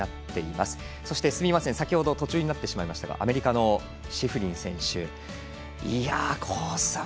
そして先ほど途中になりましたがアメリカのシフリン選手。コース